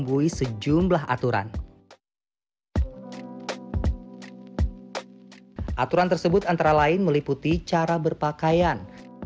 meski kini afternoon tea tak hanya dilakukan kalangan aristokrat acara minum teh ala bangsawan ini masih dibuat